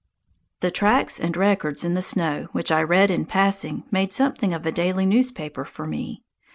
The tracks and records in the snow which I read in passing made something of a daily newspaper for me.